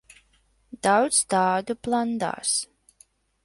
Daudz tādu blandās.